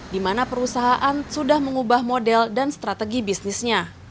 di mana perusahaan sudah mengubah model dan strategi bisnisnya